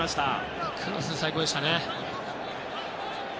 クロスは最高でしたね。